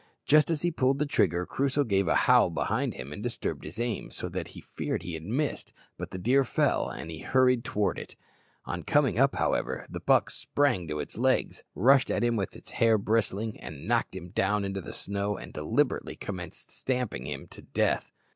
Just as he pulled the trigger, Crusoe gave a howl behind him and disturbed his aim, so that he feared he had missed; but the deer fell, and he hurried towards it. On coming up, however, the buck sprang to its legs, rushed at him with its hair bristling, knocked him down in the snow, and deliberately commenced stamping him to death.